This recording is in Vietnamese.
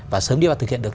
và sớm đi vào thực hiện được